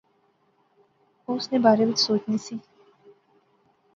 او اس نے بارے وچ سوچنی سی